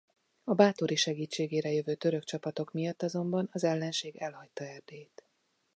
A Báthory segítségére jövő török csapatok miatt azonban az ellenség elhagyta Erdélyt.